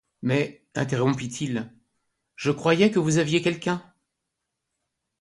Mais, interrompit-il, je croyais que vous aviez quelqu'un.